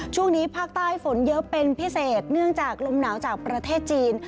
ช่วงนี้ภาคใต้ฝนเยอะเป็นพิเศษเนื่องจากลมหนาวจากประเทศจีน